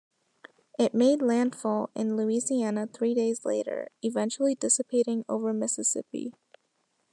It made landfall in Louisiana three days later, eventually dissipating over Mississippi.